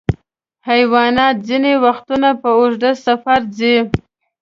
حیوانات ځینې وختونه په اوږده سفر ځي.